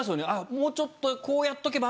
もうちょっと。